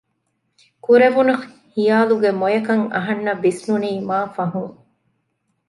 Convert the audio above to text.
ކުރެވުނު ހިޔާލުގެ މޮޔަކަން އަހަންނަށް ވިސްނުނީ މާ ފަހުން